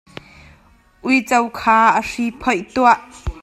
Uico kha a hri phoih tuah.